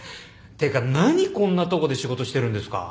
てか何こんなとこで仕事してるんですか。